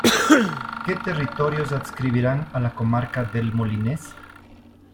¿Qué territorios adscribirán a la comarca del Molinés?